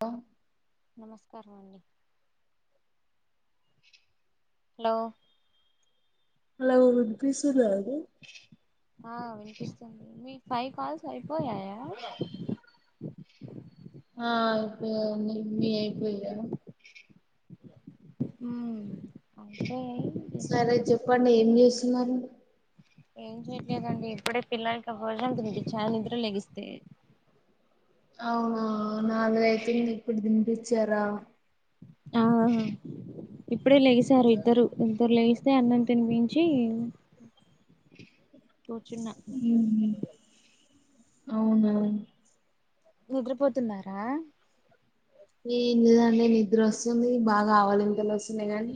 బా నమస్కారం అండి హలో హలో వినిపిస్తుందా అండి ఆ వినిపిస్తుంది మీ ఫైవ్ కాల్స్ అయిపోయాయా ఆ అయిపోయాయండి మీ అయిపోయాయ ఆమ్ మియి సరే చెప్పండి ఏం చేస్తున్నారు ఏం చేయట్లేదండి ఇప్పుడే పిల్లలకి భోజనం తినిపించా నిద్ర లేగిస్తే అవునా నాకు తెలియదు ఇప్పుడు తినిపించారా ఆ ఇప్పుడే లేగిసారు ఇద్దరు ఇద్దరు లేగిస్తే అన్నం తినిపించి [inaudible] కూర్చున్నా హమ్ అవునా నిద్రపోతున్నారా ఈ ఏంటిదండి నిద్ర వస్తుంది బాగా ఆవలింతలు వస్తున్నాయి. గాని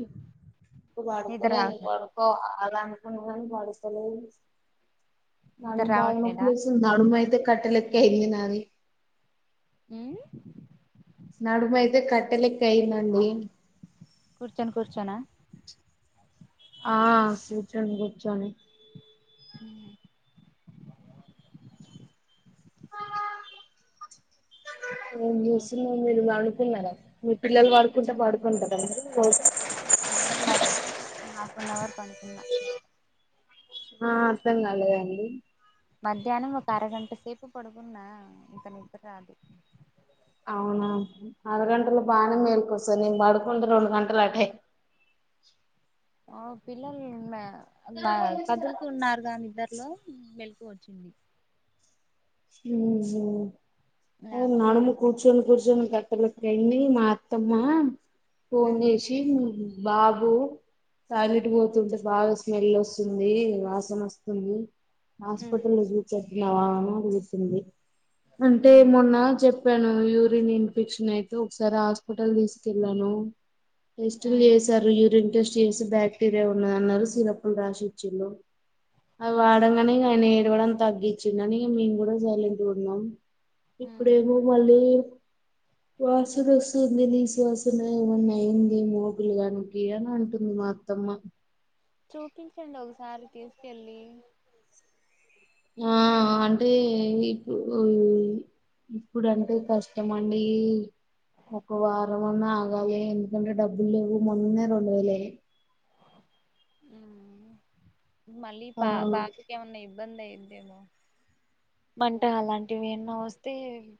ఇప్పు నిద్ర పడుకోలేదు రావట్లే పడుకో అలానకు పడుకోలేదు నిద్ర నడుము అయితే బాగా నొప్పి రావట్లేదా లేస్తుంది. నడుము అయితే కట్టలెక్కే అయింది నాది. ఆ నడుము అయితే కట్టెలెక్కే అయ్యిందండి. కూర్చొని కూర్చొనా ఆ కూర్చొని కూర్చొని హ ఏం చూస్తున్నారు? మీరు పడుకున్నారా? మీ పిల్లలు పడుకుంటే పడుకుంటారా? నేను మాత్రం హాఫ అన్వర్ పనుకున్నా. ఆ అర్థం కాలేదండి. మధ్యాహ్నం ఒక అరగంట సేపు పడుకున్న ఇంక నిద్ర రాదు. అవునా అరగంటలు బాగా మేలుకొస్తాది. నేను పడుకుంటే రెండు గంటలు అటే ఆ పిల్లలు నిన్నా కదులుతూ ఉన్నారు కా నిద్దురలో మెలుకువ వచ్చింది. మ్ హూ లేకపోతే నాడుము కూర్చొని కూర్చొని క అతల ఫ్రెండ్ ని మా అత్తమ్మ ఫోన్ ఉమ్ చేసి బాబు టాయిలెట్ పోతుంటే బాగా స్మెల్ వస్తుంది, వాసన వస్తుంది. ఉమ్ హాస్పిటల్ లో చూపెట్టి నావా అని అడుగుతుంది అంటే ఉమ్ మొన్న చెప్ చెప్పాను యూరిన్ ఇన్ఫెక్షన్ అయితే ఒకసారి హాస్పిటల్ తీసుకెళ్లాను. టెస్ట్లు ఉమ్ చేశారు యూరిన్ టెస్ట్. జెర్మ్స్ బాక్టీరియా ఉన్నాయి అన్నాడు. సిరఫ్లు రాసి ఇచ్చిండు. అవి ఉమ్ వాడు కానీ ఆయన ఏడవడం తగ్గించి అని మేము కూడా సైలెంట్గా ఉన్నాం. ఉమ్ ఇప్పుడేమో మళ్ళీ వాసున వస్తుంది నీసు వాసన వస్తుంది. ఏమన్న అయింది మో పిల్ల గానికి అని అంటుంది మా అత్తమ్మ. చూపించండి ఒకసారి తీసుకెళ్ళి. ఆ అంటే ఇప్పుడు ఇప్పుడుంటే కష్టమండి. ఒక వారం అన్నా ఆగాలి ఎందుకంటే డబ్బులు లేవు మొన్ననే రెండు వేలు అయినాయి. మ్ మళ్ళీ బ ఆ బాగా ఇంకేమన్నా ఇబ్బంది అయిందేమో మంట అలాంటివి ఏన్నా వస్తే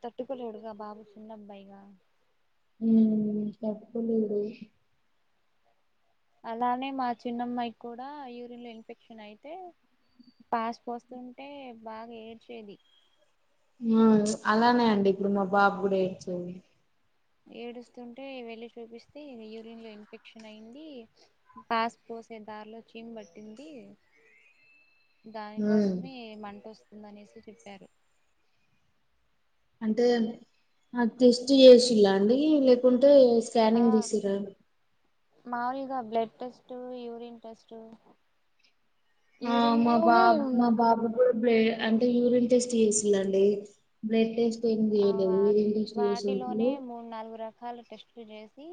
తట్టుకోలేడుగా బాబు చిున్నబ్బాయిగా. మ్ తట్టుకోలేడు. అలానే మా చిన్నమ్మాయి కూడా యూరిన్ లో ఇన్ఫెక్షన్ అయితే పాస్ పోస్తుంటే బాగా ఏడ్చేది. అలానే అండి ఇప్పుడు మా బాబు కూడా ఏడ్చేది. ఏడుస్తుంటే వెళ్లి చూపిస్తే యూరిన్ లో ఇన్ఫెక్షన్ అయింది. పాస్ పోసే దారిలో చీమ్ పట్టింది. ఉమ్ దానికోసమే మంట వస్తుందనేసి చెప్పారు. అంటే ఆ టెస్ట్ చేసిలా అండి లేకుంటే స్కానింగ్ తీసిరా? మాముూలుగా బ్లడ్ టెస్టు, యూరిన్ టెస్టు ఆ మా బాబ మా బాబు కూడా బ్లే అంటే యూరిన్ టెస్ట్ చేసిందండి. బ్లడ్ టెస్ట్ ఏమి ఆ చేయలేదు. వా యూరిన్ టెస్టు వాటిలోనే చేసారు. మూడు నాలుగు రకాలు టెస్ట్ చేసి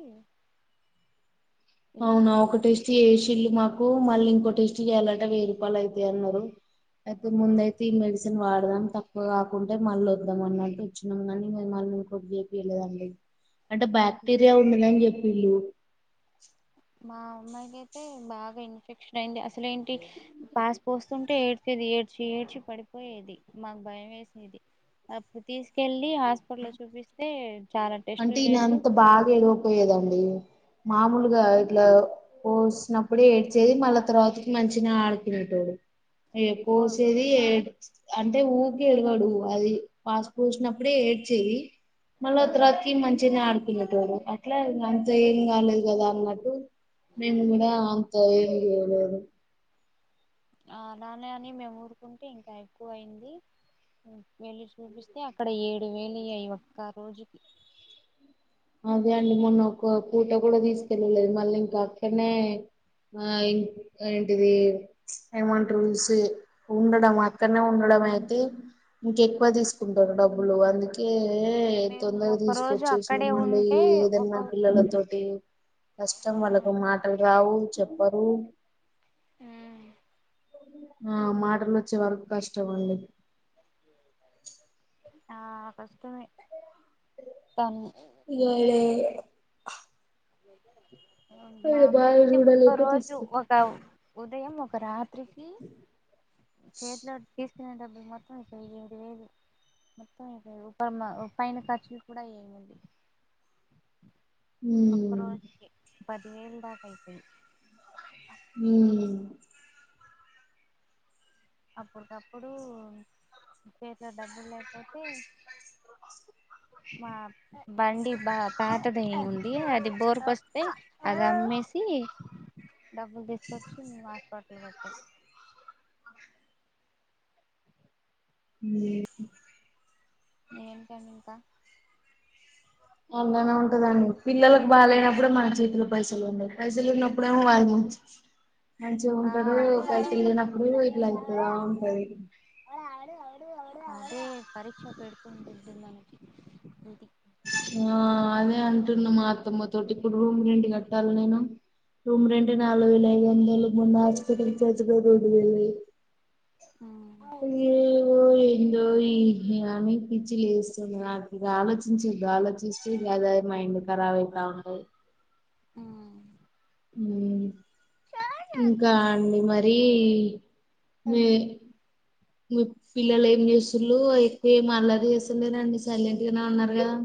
అవునా ఒకటె శేషీల్లు మాకు మళ్ళీ ఇంకో టెస్ట్ చేయాలంటే వెయ్యి రూపాయలు అయితయన్నారు అయితే ఇలా ముందయితే ఫ్రీ మెడిసిన్ వాడదాం తక్కువ కాకుంటే మళ్ళీ వద్దాం అన్నట్టు వచ్చినాం కానీ మేం మళ్ళ ఇంకొట్ చేపియలేదండి అంటే బాక్టీరియా ఉండదని చెప్పిళ్లు మా అమ్మాయికి అయితే బాగా ఇన్ఫెక్షన్ అయింది అసలేంటి పాస్ పోస్తుంటే ఏడ్చది ఏడ్చి ఏడ్చి పడిపోయేది మాకు భయం వేసేది అప్పుడు తీసుకెళ్ళలి హాస్పిటల్ చూపిస్తే చాలా టెస్ట్లు అంటే ఈయన చేసి అంత బాగా ఎలు పోయేదండి మామూలుగా ఇట్లా పోసినప్పుడు ఏడ్చేది మళ్ళా తర్వాతకి మంచినే ఆడుకునేటోడు అయ ఓ పోసేది ఏ అంటే ఊరికి ఏడువడు అది పాసు పోసినప్పుడే ఏడ్చేది మళ్ళా ఉమ్, తర్వాత మంచినే ఆడుకునేటోడు అట్లా అంత ఏం కాలేదు కదా అన్నట్టు మేము కూడా అంత ఏం చేయలేదు ఆ అలానే అని మేము ఊరుకుంటే ఇంకా ఎక్కువ అయింది వెళ్ళి చూపిస్తే అక్కడ ఏడు వేలు అయ్యాయి ఒక్క రోజుకి అదే అండి మొన్న ఒక పూట కూడా తీసుకెళ్ళలేదు మళ్ళీ ఇంకా అక్కడనే ఆ ఏంటిది ఏమంటరు ఉ సే ఉండడం అక్కడనే ఉండడం అయితే ఇంకెక్కువ తీసుకుంటారు డబ్బులు అందుకే మేము తొందరగా ఒక రోజు తీసుకొచ్చేసినాం అక్కడే మల్ల ఉంటే ఒక ఏదన్నా పిల్లతోటి కష్టం ఆ వాళ్లతో మాటలు రావు చెప్పరు హు ఆ మాటలు వచ్చే వరకు కష్టం అండి ఆ కష్టమే తను ఇయ్యాలే మా ఈడ బాగా అమ్మాయికైతే ఒకక్క చూడలేక రోజు తీసుకు ఒక ఉదయం ఒక రాత్రికి చేతిలో తీస్ చిన్న డబ్బులు మొత్తం ఇక్కడ ఏడు వేలు మొత్తం ఇగా ఉ పైన ఖర్చులు కూడా అయ్యేవండి ఒక్క ఉమ్ రోజుకి పదివేల దాకా అయిపోయి హ్మ్ అప్పటికప్పుడు చేతిలో డబ్బులు లేకపోతే ఆ మా బండి బా పాతదయిను ఉంది అది బోర్కొస్తే అది అమ్మేసి డబ్బులు తీసుకొచ్చి మేము హాస్పిటల్ కట్టాం ఉ ఏకండి ఇంకా అలానే ఉంటదండి పిల్లలకు బాలేనప్పుడే మాన చేతిలో పైసలు ఉండయి పైసలు ఉన్నప్పుడేమో వాళ్ళ మంచి ఆ మంచిగుంటరు ఒకఐకి వెళ్ళినప్పుడు ఇట్లా అవుతా ఉంటది అదే పరీక్ష పెడుతుంటుంది మనకి ఆ అదే అంటున్నా మా అత్తమ్మతోటి ఇప్పుడు రూమ్ రెంట్ కట్టాలి నేను రూమ్ రెంటే నాలుగు వేల ఐదు వందలు మొన్న హాస్పిటల్ ఖర్చులే రెండువేలయ్యి ఏమో ఏ ఇదో ఈ యామి పిచ్చి లేస్తుంది నాకు ఇది ఆలోచించి గ ఆలోచిస్తే గదే మైండ్ కరాబ్ అయితా ఉండది ఆ మ్మ్ ఇంకా అండి మరి లే మీ పిల్లలు ఏం చేస్తుుల్లు ఎక్కువ ఏమి అల్లరి చేస్తలేేరండి సైలెంట్ గానే ఉన్నారు కదా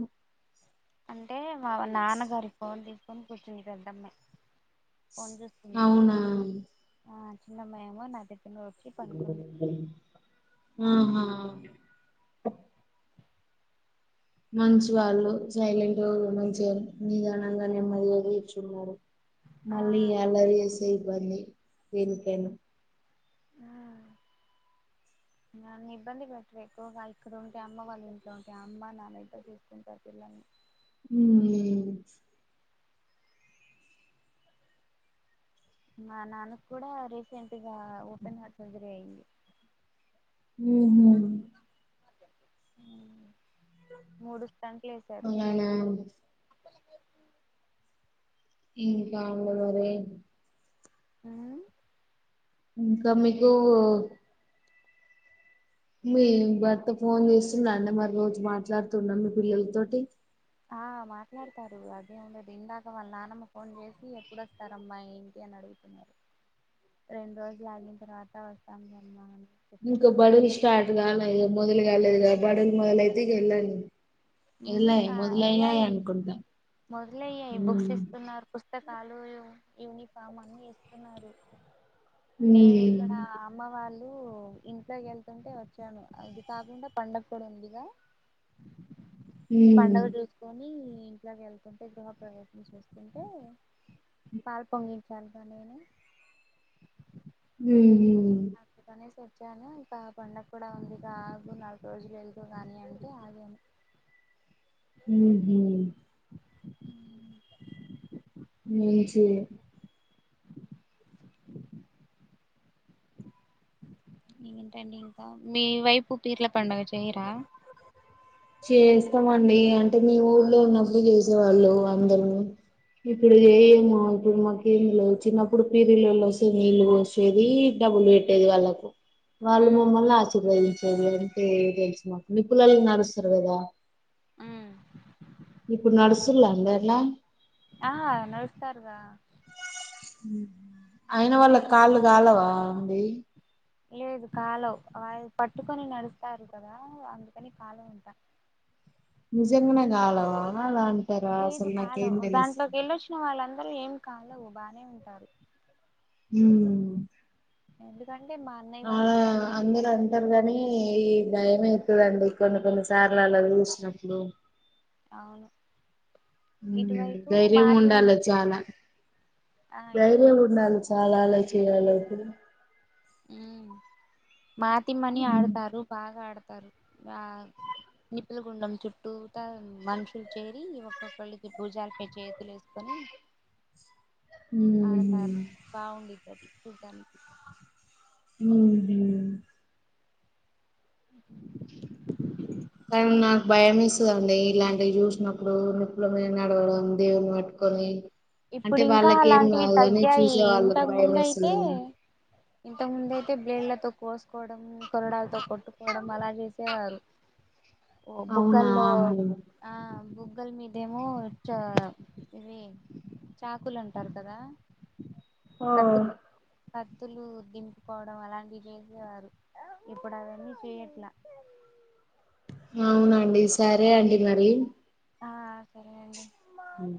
అంటే మా నాన్నగారి ఫోన్ తీసుకొని కూర్చుంది పెద్దమ్మాయి ఫోన్ చూస్ ఉంది అవునా ఆ చిన్నమ్మాయి ఏమో నా దగ్గర [unintelligible] ఆహా మంచి వాళ్ళు సైలెంట్గా మంచిగానే నిదానంగా నెమ్మదిగా కూర్చున్నారు ఆ మళ్ళీ అల్లరి చేస్తే ఇబ్బంది దేనికైనా నన్ను ఇబ్బంది పెట్టరు ఎక్కువగా ఇక్కడ ఉంటే అమ్మ వాళ్ళ ఇంట్లో ఉంటే అమ్మ నాన్న ఇద్దరూ చూసుకుంటారు పిల్లల్ని మ్మ్ మా నాన్నకు కూడా రీసెంట్గా ఓపెన్ హార్ట్ సర్జరీ అయింది మ్మ్ మ్మ్ మూడు స్టంట్లు ఏసారు అలానా ఇంకా ఉంది మరి ఆ ఇంక మీకూ మీ భర్త ఫోన్ చేస్తున్డా అండి మరి రోజు మాట్లాడుతుండా మీ పిల్లలతోటి ఆ మాట్లాడతారు అదే ఉండదు ఇందాక వాళ్ళ నానమ్మ ఫోన్ చేసి ఎప్పుడొస్తారమ్మా ఏంటి అని అడుగుతున్నారు [inaudible] రెండు రోజులు ఆగిన తర్వాత వస్తాం లేమ్మా అని చెప్పాను ఇంకా బడులు స్టార్ట్ కావలె ఇగ మొదలు కాలేదు బడులు మొదలయితే ఇగ వెళ్ళాలి మ్మ్ అయ్యాయి మొదలయ్యాయి బుక్స్ హ్మ్ ఇస్తున్నారు పుస్ పుస్తకాలు యూ యూనిఫార్మ్ అన్నీ ఇస్తున్నారు నేను ఇక్కడ హ్మ్ అమ్మ వాళ్ళు ఇంట్లోకి ఎళ్తుంటే వచ్చాను అది కాకుండా పండగ కూడ ఉందిగా [inaudible] హ్మ్ పండుగ చూస్ కొని ఇంట్లోకి ఏళ్తుంటే గృహ ప్రవేశం చేస్తుంటే పాల్ పొంగించాల్ గా నేను మ్మ్ హు అందుకనేసి వచ్చాను ఇక పండగ కూడా ఉందిగా ఆగు నాలుగు రోజులు వెళ్దువు గానీ అంటే ఆగాను మ్మ్ హు మంచిది [inaudible] ఇంకేంటండి ఇంకా మీ వైపు పీర్ల పండగ చేయరా చేస్తామండి అంటే మీ ఊళ్లో ఉన్నప్పుడు చేసేవాళ్ళు అందరూ ఇప్పుడు చేయమంటున్నారు [unintelligible] చిన్నప్పుడు పేర్లొల్లు వస్తే నీళ్లు పోసేది డబ్బులు పెట్టేది వాళ్ళకు వాళ్ళు ఉమ్ మమ్మల్ని ఆశీర్వదించేది అంటే తెలుసు మాకు నిప్పులల్లో నడుస్తారు కదా ఉమ్ ఇప్పుడు నడుస్తున్ల అందర్ల ఆ నడుస్తారుగా అయిన రే వాళ్ళకి కాళ్ళు కాలవా అండి లేదు కాలవ్ అది పట్టుకొని నడుస్తారు కదా అందుకని కాలవంట నిజంగానే కాలవ [inaudible] లేదు కాలవ్ దాంట్లోకి వెళ్ళొచ్చిన వాళ్ళందరూ ఏం కాలవ్ బానే ఉంటారు మ్మ్ ఎందుకంటే మా అన్నయ్య వాళ్ళు కూడా అందరూ అంటారు కానీ ఈ భయమైతది అండి కొన్ని కొన్ని సార్లు అలా చూసినప్పుడు అవును మ్మ్ ఇటువైపు ధైర్యం మాటిం ఉండాలా చాలా ఆ ధైర్యం ఇటువైపు ఉండాల చాలా అలా చేయాలంటే మ్మ్ మాతిమ్మని ఉమ్ ఆడతారు బాగా ఆడతారు ఆ నిప్పుల గుండం చుట్టూ తా మనుషులు చేరి ఒక్కొక్కళ్ళకి భూజాలపై చేతులేసు కొని స ఆడతారు బావుండిది అది చూడ్డానికి మ్మ్ హు [inaudible] కానీ నాకు భయం వేస్తాదండి ఇలాంటివి చూసినప్పుడు నిప్పుల మీద నడవడం దేవుని పట్ కొని ఇప్పుడు ఇంకా అలాంటివి తగ్గాయి వాళ్ళకి భయం ఇంతకముందు వేస్తుంది అయితే కదా ఇంతకు ముందయితే బ్లేడ్లతో కోసుకోవడం కొరడాలతో కొట్టుకోవడం అలా చేసేవారు [inaudible] ఓ అవునా బుగ్గల్లో అమ్మో ఆ బుగ్గల్ మీదేమో చ ఇవి చాకులు అంటారు కదా ఆ కత్తులు కత్తులు దింపుకోవడం అలాంటివి చేసేవారు ఇప్పుడు అవన్నీ చేయట్లా అవునండి సరే అండి మరి ఆ సరే అండి మ్